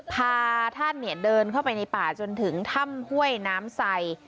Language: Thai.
พาท่านเดินเข้าไปในป่าจนถึงถ้ำห้วยน้ำใส